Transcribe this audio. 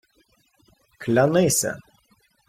— Клянися!